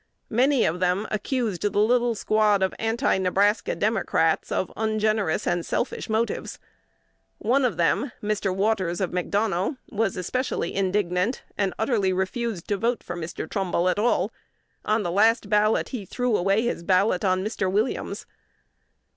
Many of them accused the little squad of Anti Nebraska Democrats of "ungenerous and selfish" motives. One of them, "Mr. Waters of McDonough, was especially indignant, and utterly refused to vote for Mr. Trumbull at all. On the last ballot he threw away his ballot on Mr. Williams."